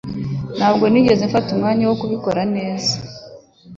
Ntabwo nigeze mfata umwanya wo kubikora neza